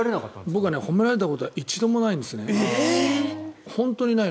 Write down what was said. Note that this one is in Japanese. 僕は褒められたことは１度もないんです、本当にない。